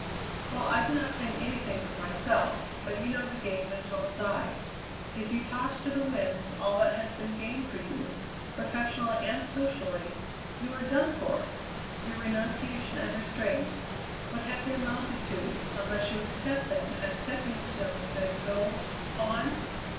Well, I do not claim anything for myself; but you know the game as well as I. If you toss to the winds all that has been gained for you, professionally and socially, you are done for! Your renunciation and restraint, what have they amounted to, unless you accept them as stepping stones and go on?"